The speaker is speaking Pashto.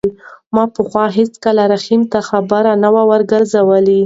ما پخوا هېڅکله رحیم ته خبره نه ده ورګرځولې.